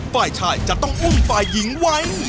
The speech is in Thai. ฝ่ายชายจะต้องอุ้มฝ่ายหญิงไว้